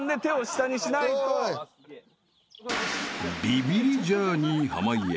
［ビビりジャーニー濱家］